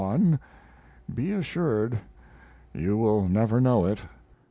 1, be assured you will never know it.